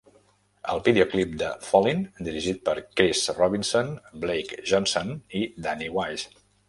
El videoclip de "Fallin'", dirigit per Chris Robinson, Blake Johnson i Danny Wise.